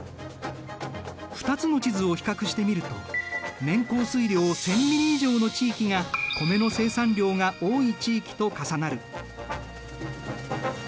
２つの地図を比較してみると年降水量１，０００ミリ以上の地域が米の生産量が多い地域と重なる。